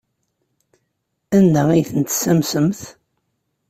Anda ay ten-tessamsemt?